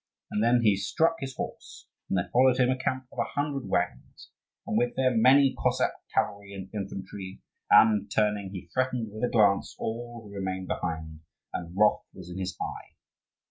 And then he struck his horse, and there followed him a camp of a hundred waggons, and with them many Cossack cavalry and infantry; and, turning, he threatened with a glance all who remained behind, and wrath was in his eye.